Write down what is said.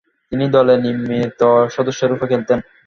তিনি দলে নিয়মিত সদস্যরূপে খেলতেন।